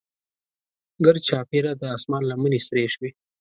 ګرچاپیره د اسمان لمنې سرې شوې.